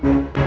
ya pak juna